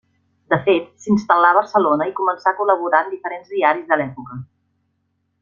De fet, s'instal·là a Barcelona i començà a col·laborar en diferents diaris de l'època.